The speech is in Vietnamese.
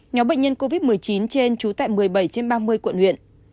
nhóm bệnh nhân covid một mươi chín trên trú tại một mươi bảy trên ba mươi quận huyện